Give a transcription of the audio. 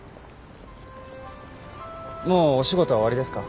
もうお仕事は終わりですか？